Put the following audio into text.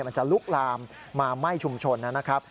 มันจะลุกลามมาไหม้ชุมชนนะครับ